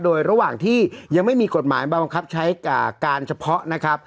โดยระหว่างที่ยังไม่มีกฎหมายบังคับใช้การเฉพาะ